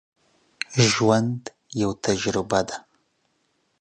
ژوند یوه تجربه ده